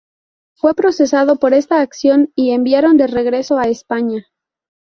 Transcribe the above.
Fue procesado por esta acción y enviaron de regreso a España.